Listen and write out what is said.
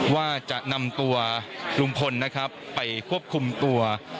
ว่าจะนำตัวลุงพลนะครับไปควบคุมตัว